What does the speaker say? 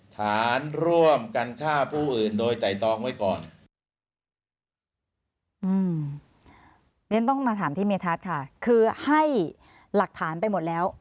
ฐานร่วมกันฆ่าผู้อื่นโดยไตรตรองไว้ก่อนอืมเรียนต้องมาถามที่เมทัศน์ค่ะคือให้หลักฐานไปหมดแล้ว